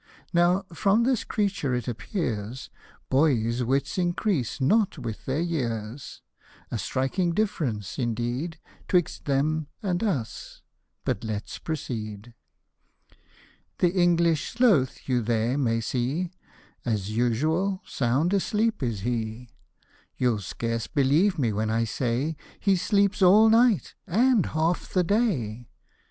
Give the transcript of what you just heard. Now, from this creature it appears Boys' wits increase not with their years ; A striking difference, indeed, 'Twixt them and us, but let's proceed. " The English sloth you there may see ; As usual, sound asleep is he ; You'll scarce believe me when I say He sleeps all night, and half the day